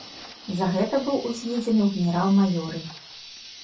За гэта быў узведзены ў генерал-маёры.